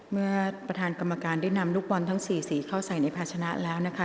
เมื่อประธานกรรมการได้นำลูกบอลทั้ง๔สีเข้าใส่ในภาชนะแล้วนะคะ